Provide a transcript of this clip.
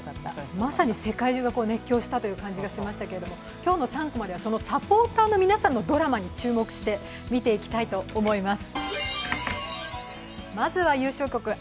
まさに世界中が熱狂したという感じがしましたけど、今日の３コマではサポーターの皆さんに注目したドラマをお伝えしたいと思います。